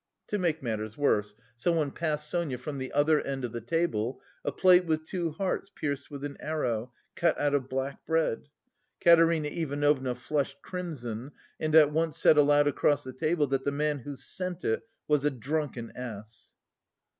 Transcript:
To make matters worse someone passed Sonia, from the other end of the table, a plate with two hearts pierced with an arrow, cut out of black bread. Katerina Ivanovna flushed crimson and at once said aloud across the table that the man who sent it was "a drunken ass!"